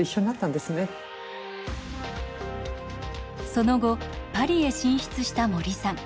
その後パリへ進出した森さん。